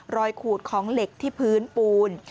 ขูดของเหล็กที่พื้นปูน